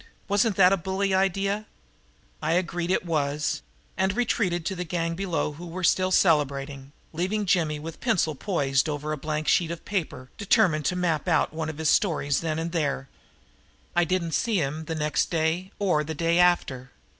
Wasn't that a bully idea? I agreed that it was, and retreated to the gang below who were still celebrating, leaving Jimmy with pencil poised over a blank sheet of paper determined to map out one of his stories then and there. I didn't see him the next day or the day after.